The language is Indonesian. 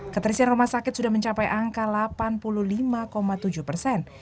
keterisian rumah sakit sudah mencapai angka delapan puluh lima tujuh persen